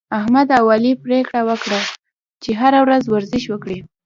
احمد او علي پرېکړه وکړه، چې هره ورځ ورزش وکړي